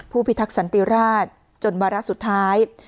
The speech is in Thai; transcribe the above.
พิทักษันติราชจนวาระสุดท้าย